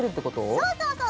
そうそうそう！